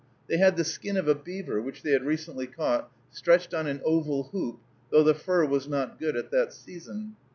They had the skin of a beaver, which they had recently caught, stretched on an oval hoop, though the fur was not good at that season.